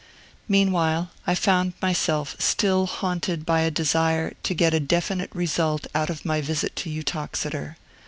Meanwhile I found myself still haunted by a desire to get a definite result out of my visit to Uttoxeter.